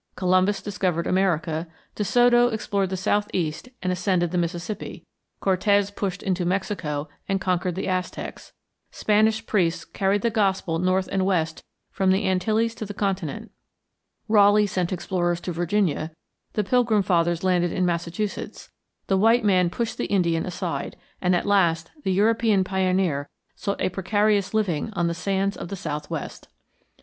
Columbus discovered America; De Soto explored the southeast and ascended the Mississippi; Cortez pushed into Mexico and conquered the Aztecs; Spanish priests carried the gospel north and west from the Antilles to the continent; Raleigh sent explorers to Virginia; the Pilgrim Fathers landed in Massachusetts; the white man pushed the Indian aside, and at last the European pioneer sought a precarious living on the sands of the southwest.